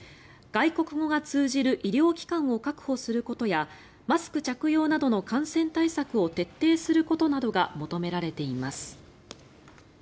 外国語が通じる医療機関を確保することやマスク着用などの感染対策を徹底することなどが求められています。